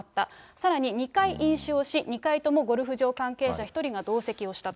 さらに２回飲酒をし、２回ともゴルフ場関係者１人が同席をしたと。